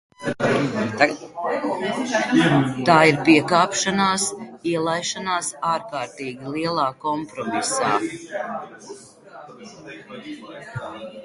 Tā jau ir piekāpšanās, ielaišanās ārkārtīgi lielā kompromisā.